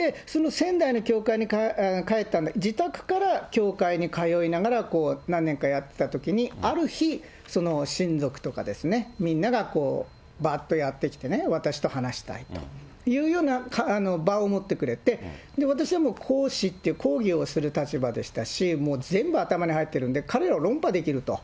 その仙台の教会に帰った、自宅から教会に通いながら、何年かやってたときに、ある日、親族とかみんながばーっとやってきて、私と話したいというような場を持ってくれて、私は講師って、講義をする立場でしたし、もう全部頭に入ってるんで、彼らを論破できると。